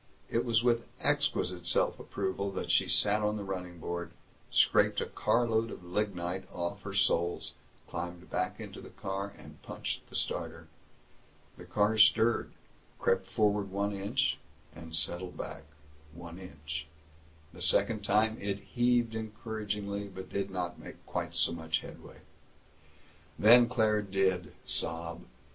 It was with exquisite self approval that she sat on the running board, scraped a car load of lignite off her soles, climbed back into the car, punched the starter. The car stirred, crept forward one inch, and settled back one inch. The second time it heaved encouragingly but did not make quite so much headway. Then Claire did sob.